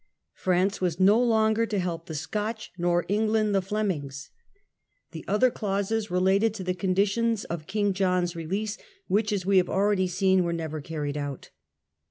France was no longer to help the Scotch nor England the Flemings. The other clauses re lated to the conditions of King John's release which, as we have already seen, were never carried out.